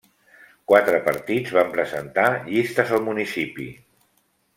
Quatre partits van presentar llistes al municipi.